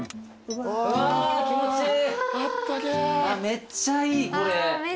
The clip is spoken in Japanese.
めっちゃいいこれ。